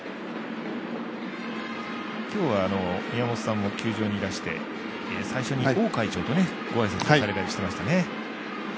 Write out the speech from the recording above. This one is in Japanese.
今日は宮本さんも球場にいらして最初に王会長とごあいさつをされたりしてましたね。